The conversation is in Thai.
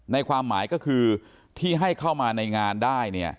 ความหมายก็คือที่ให้เข้ามาในงานได้